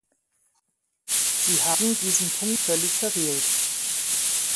Sie haben diesen Punkt völlig verfehlt.